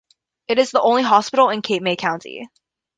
It is the only hospital in Cape May County.